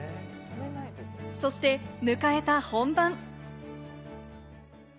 そして迎えた本番。